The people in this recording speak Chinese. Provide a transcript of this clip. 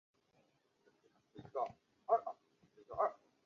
科曼奇县是位于美国俄克拉何马州西南部的一个县。